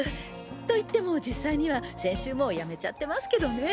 といっても実際には先週もう辞めちゃってますけどね。